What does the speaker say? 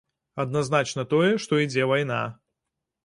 Адназначна тое, што ідзе вайна.